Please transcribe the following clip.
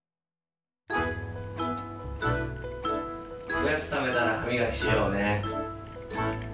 おやつたべたらはみがきしようね。